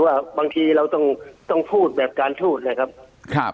ว่าบางทีเราต้องต้องพูดแบบการถูกเลยครับ